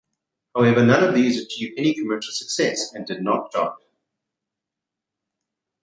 However none of these achieved any commercial success, and did not chart.